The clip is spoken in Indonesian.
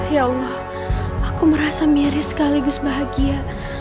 ya allah aku merasa miris sekaligus bahagia